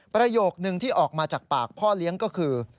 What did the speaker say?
ประโยคนึงที่ออกมาจากปากพ่อเลี้ยงก็คือ